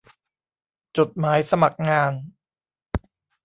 จดหมายสมัครงาน